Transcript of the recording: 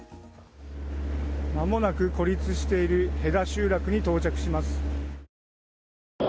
間もなく孤立してる集落に到着します。